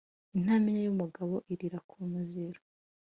Intamenya y’umugabo irira ku muziro.